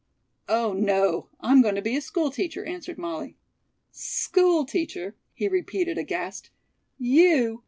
"Oh, no; I'm going to be a school teacher," answered Molly. "School teacher?" he repeated aghast. "You?